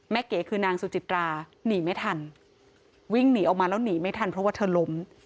เก๋คือนางสุจิตราหนีไม่ทันวิ่งหนีออกมาแล้วหนีไม่ทันเพราะว่าเธอล้ม